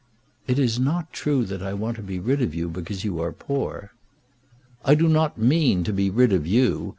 "It is not true that I want to be rid of you because you are poor." "I do not mean to be rid of you.